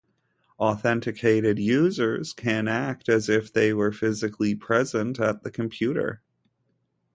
Authenticated users can act as if they were physically present at the computer.